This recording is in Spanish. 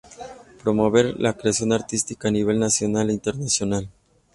Promover la creación artística a nivel nacional e internacional.